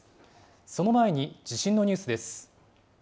その前に地震のニュースです。